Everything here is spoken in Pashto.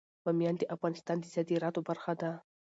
بامیان د افغانستان د صادراتو برخه ده.